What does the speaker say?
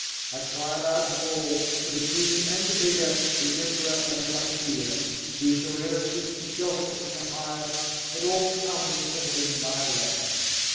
I cry aloud to all, to the king and the beggar, the emperor and the fakir Whosoever seeks for shelter in the Highest, let all come and settle in my land!